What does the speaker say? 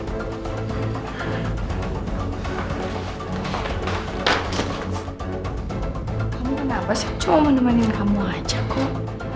kamu kenapa sih cuma menemanin kamu aja kok